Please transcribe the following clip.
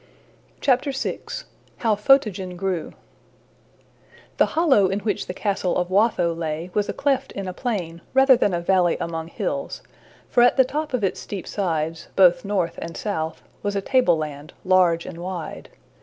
VI. How Photogen Grew THE hollow in which the castle of Watho lay was a cleft in a plain rather than a valley among hills, for at the top of its steep sides, both north and south, was a tableland, large and wide.